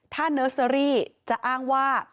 ถ้าเนอร์เซอรี่จะอ้างว่า